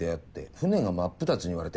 「船が真っ二つに割れて」。